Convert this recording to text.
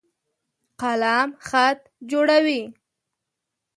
قلم خط جوړوي.